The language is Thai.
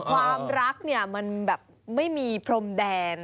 ความรักเนี่ยมันแบบไม่มีพรมแดน